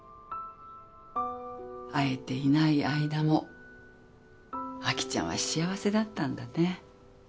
会えていない間もアキちゃんは幸せだったんだね。